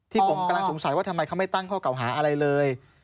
ที่ผมกำลังสงสัยว่าทำไมเขาไม่ตั้งข้อเก่าหาอะไรเลย